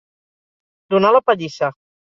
Donar la pallissa.